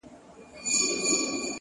• روح مي خبري وکړې روح مي په سندرو ويل؛